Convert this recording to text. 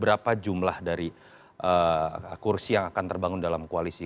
berapa jumlah dari kursi yang akan terbangun dalam koalisi